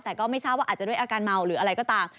แต่ก็ไม่ทราบว่าอาจจะด้วยอาการเมาหรืออะไรก็ตาม